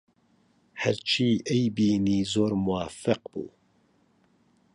هەرچی ئەیبینی زۆر موافق بوو